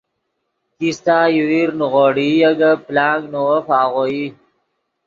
کیستہ یوویر نیغوڑئی اے گے پلانگ نے وف آغوئی